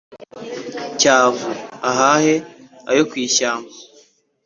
cyavu/ ahahe ayo ku ishyamba »